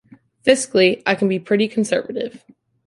Fiscally, I can be pretty conservative.